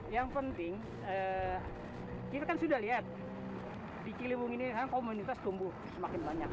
yang penting kita kan sudah lihat di ciliwung ini kan komunitas tumbuh semakin banyak